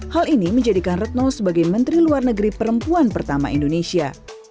hal ini menjadikan retno sebagai menteri luar negeri perempuan pertama indonesia